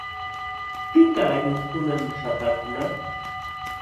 ¿Pipa aylllunkunam śhapaakulqa?